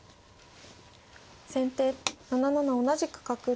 先手７七同じく角。